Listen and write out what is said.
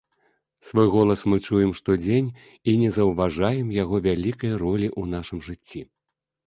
Свой голас мы чуем штодзень і не заўважаем яго вялікай ролі ў нашым жыцці.